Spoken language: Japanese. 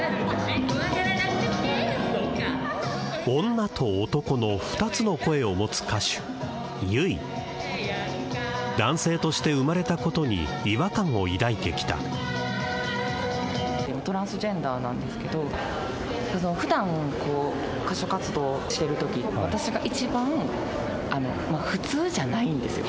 女と男の２つの声を持つ歌手悠以男性として生まれたことに違和感を抱いてきたトランスジェンダーなんですけど普段歌手活動してるとき私が一番普通じゃないんですよ